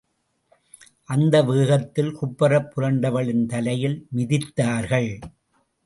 அந்த வேகத்தில் குப்புறப் புரண்டவளின், தலையில் மிதித்தார்கள்.